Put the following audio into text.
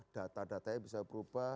data datanya bisa berubah